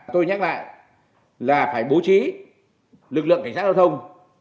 tôi nhắc lại là phải bố trí lực lượng cảnh sát giao thông